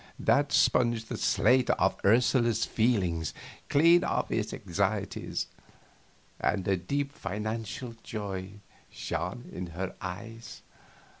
That sponged the slate of Ursula's feelings clean of its anxieties, and a deep, financial joy shone in her eyes.